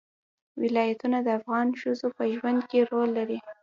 ولایتونه د افغان ښځو په ژوند کې رول لري.